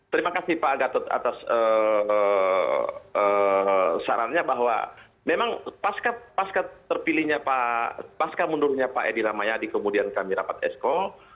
terima kasih pak gatot atas sarannya bahwa memang pasca terpilihnya pasca mundurnya pak edi ramayadi kemudian kami rapat esko